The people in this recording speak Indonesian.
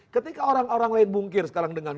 ketika orang orang lain bungkir sekarang dengan